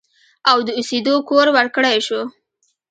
او د اوسېدو کور ورکړی شو